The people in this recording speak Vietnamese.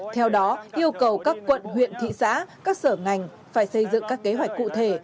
theo đó yêu cầu các quận huyện thị xã các sở ngành phải xây dựng các kế hoạch cụ thể